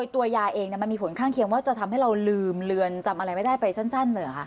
ตัวยายเองมันมีผลข้างเคียงว่าจะทำให้เราลืมเรือนจำอะไรไม่ได้ไปสั้นเลยเหรอคะ